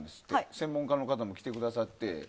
専門家の方も来てくださって。